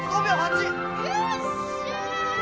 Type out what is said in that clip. よっしゃ！